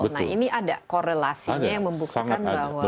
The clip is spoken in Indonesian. nah ini ada korelasinya yang membuktikan bahwa bisa jauh lebih sukses